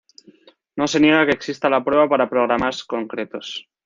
No se niega que exista la prueba para programas concretos.